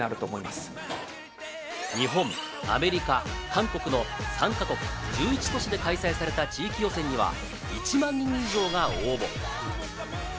日本、アメリカ、韓国の３か国１１都市で開催された地域予選には１万人以上が応募。